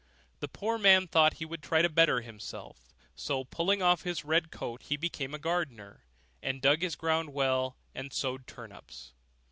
The poor man thought he would try to better himself; so, pulling off his red coat, he became a gardener, and dug his ground well, and sowed turnips.